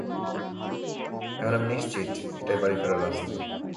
এখন আমি নিশ্চিত, এটাই বাড়ি ফেরার রাস্তা!